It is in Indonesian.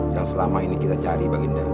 yang selama ini kita cari baginda